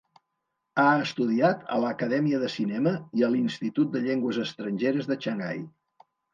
Ha estudiat a l'Acadèmia de Cinema i a l'Institut de Llengües Estrangeres de Xangai.